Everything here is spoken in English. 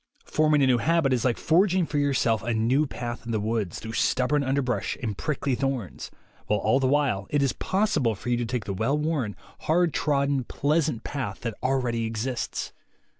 Forming a new habit is like forging for yourself a new path in the woods, through stubborn under brush and prickly thorns, while all the while it is possible for you to take the well worn, hard trodden, THE WAY TO WILL POWER 77 pleasant path that already exists.